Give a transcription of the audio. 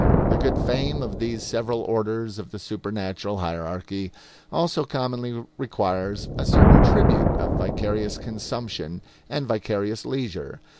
The good fame of these several orders of the supernatural hierarchy also commonly requires a certain tribute of vicarious consumption and vicarious leisure.